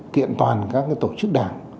kiện toàn các tổ chức đảng